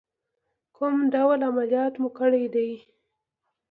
کوم ډول عملیات مو کړی دی؟